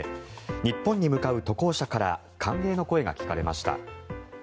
日本に向かう渡航者から歓迎の声が聞かれました。